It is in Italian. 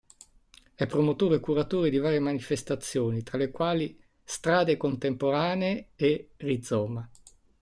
È promotore e curatore di varie manifestazioni tra le quali Strade Contemporanee e Rizoma.